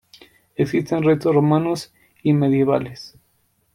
Existen restos romanos y medievales.